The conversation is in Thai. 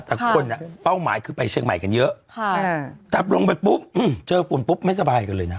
แต่คนอ่ะเป้าหมายคือไปเชียงใหม่กันเยอะจับลงไปปุ๊บเจอฝุ่นปุ๊บไม่สบายกันเลยนะ